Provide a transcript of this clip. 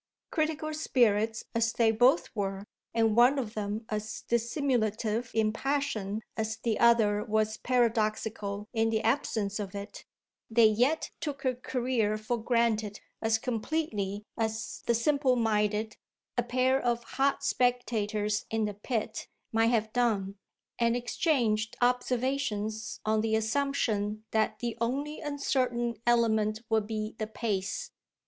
Critical spirits as they both were, and one of them as dissimulative in passion as the other was paradoxical in the absence of it, they yet took her career for granted as completely as the simple minded, a pair of hot spectators in the pit, might have done, and exchanged observations on the assumption that the only uncertain element would be the pace.